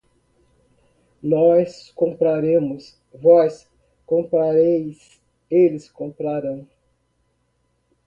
Nós compraremos, vós comprareis, eles comprarão